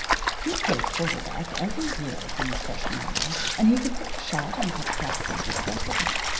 He had played quarter back every year from his freshman year, and he could putt the shot and cut classes with the best of 'em.